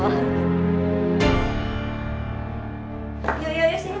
yuk yuk yuk